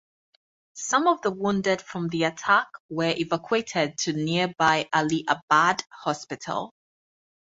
Some of the wounded from the attack were evacuated to nearby Ali Abad hospital.